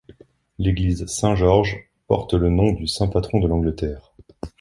L’église Saint-Georges porte le nom du saint patron de l’Angleterre.